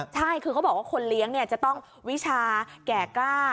ใช่คือเขาบอกว่าคนเลี้ยงจะต้องวิชาแก่กล้า